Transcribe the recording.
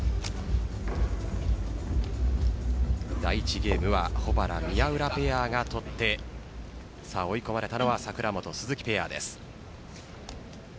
ゲームは保原・宮浦ペアが取って追い込まれたのは櫻本・鈴木ペアです。